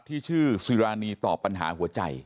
ที่ชื่อซีรานีตอบปัญหาหัวใจ